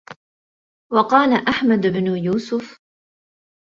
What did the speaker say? وَقَالَ أَحْمَدُ بْنُ يُوسُفَ